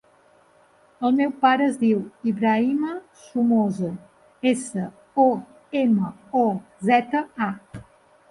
El meu pare es diu Ibrahima Somoza: essa, o, ema, o, zeta, a.